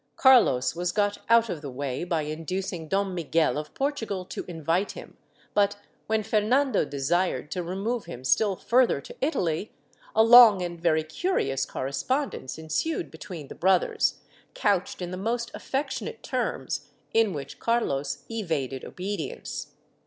Carlos was got out of the way by inducing Dom Miguel of Portugal to invite him, but, when Fernando desired to remove him still further to Italy, a long and very curious cor respondence ensued between the brothers, couched in the most affectionate terms, in which Carlos evaded obedience.